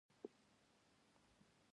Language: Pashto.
د نرسې کالي یې په تن وو، جامې یې اغوستې وې.